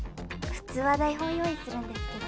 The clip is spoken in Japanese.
普通は台本用意するんですけど。